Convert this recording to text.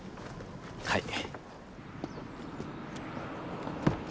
はい。